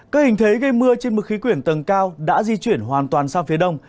các hình thế gây mưa trên mực khí quyển tầng cao đã di chuyển hoàn toàn sang phía đông